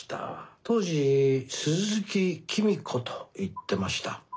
当時鈴木公子と言ってました。